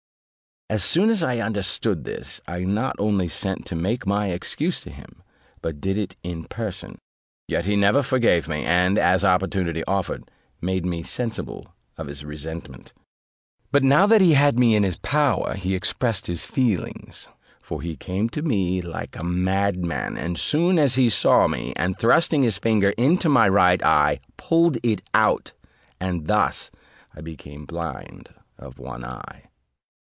As soon as I understood this, I not only sent to make my excuse to him, but did it in person: yet he never forgave me, and, as opportunity offered, made me sensible of his resentment. But now that he had me in his power, he expressed his feelings; for he came to me like a madman, as soon as he saw me, and thrusting his finger into my right eye, pulled it out, and thus I became blind of one eye.